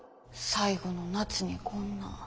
最後の夏にこんな。